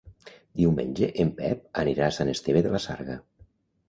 Diumenge en Pep anirà a Sant Esteve de la Sarga.